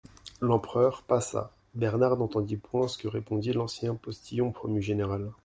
L'empereur passa … Bernard n'entendit point ce que répondit l'ancien postillon promu général.